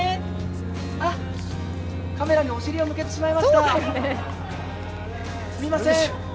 あ、カメラにお尻を向けてしまいました、すみません。